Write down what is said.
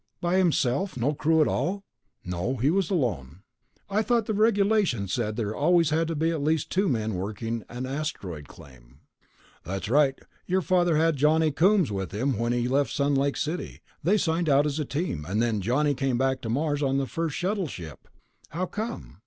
"By himself? No crew at all?" "No, he was alone." "I thought the regulations said there always had to be at least two men working an asteroid claim." "That's right. Your father had Johnny Coombs with him when he left Sun Lake City. They signed out as a team ... and then Johnny came back to Mars on the first shuttle ship." "How come?"